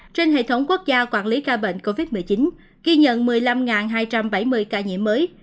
trên hệ thống quốc gia quản lý ca bệnh covid một mươi chín ghi nhận một mươi năm hai trăm bảy mươi ca nhiễm mới